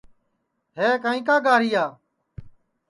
ہے کائیں کا گاریا